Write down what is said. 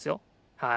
はい。